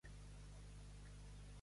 Ai, poble, que de mi eres!